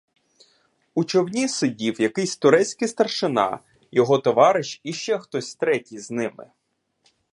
У човні сидів якийсь турецький старшина, його товариш і ще хтось третій з ними.